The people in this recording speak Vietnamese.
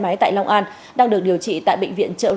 xe máy tại long an đang được điều trị tại bệnh viện trợ rẫy tp hcm